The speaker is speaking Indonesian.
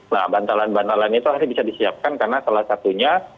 nah bantalan bantalan itu harus bisa disiapkan karena salah satunya